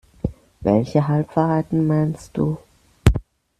Welche Halbwahrheiten meinst du?